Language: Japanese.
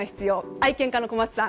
愛犬家の小松さん